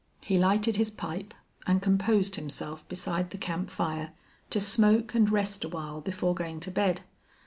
He lighted his pipe and composed himself beside the camp fire to smoke and rest awhile before going to bed.